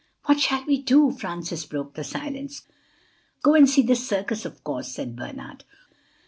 "What shall we do?" Francis broke the silence. "Go and see the circus, of course," said Bernard.